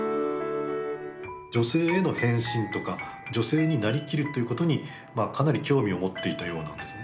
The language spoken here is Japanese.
女性への変身とか女性になりきるということにかなり興味を持っていたようなんですね。